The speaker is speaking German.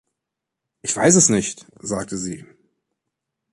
„Ich weiß es nicht,“ sagte sie.